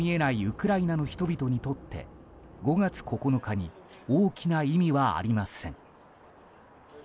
ウクライナの人々にとって５月９日に大きな意味はありません。